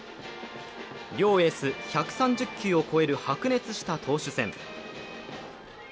両エース１３０球を超える白熱した投手戦。